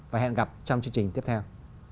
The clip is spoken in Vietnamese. và hẹn gặp trong chương trình tiếp theo